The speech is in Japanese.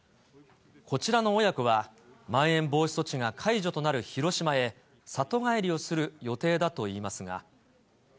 こちらの親子は、まん延防止措置が解除となる広島へ、里帰りをする予定だといいますが。